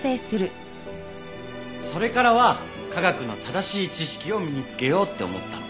それからは科学の正しい知識を身につけようって思ったの。